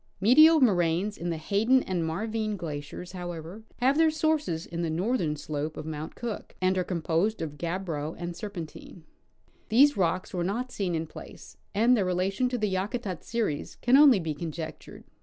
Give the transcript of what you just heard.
Medial moraines on the Hayden and Marvine glaciers, however, have their sources on the northern slope of Mount Cook, and are composed of gabbro and serpentine. These rocks were not seen in place, and their relatio^i to the Yakutat series can only be conjectured.